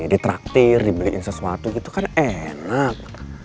ditraktir dibeliin sesuatu gitu kan enak